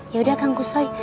ya udah kang kushoi